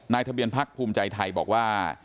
ทะเบียนพักภูมิใจไทยบอกว่า